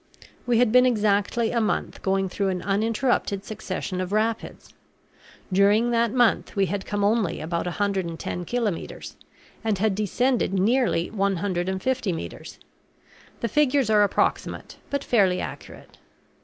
We had been exactly a month going through an uninterrupted succession of rapids. During that month we had come only about 110 kilometres, and had descended nearly 150 metres the figures are approximate but fairly accurate.